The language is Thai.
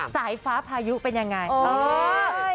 สายฟ้าพายุเป็นยังไงเออ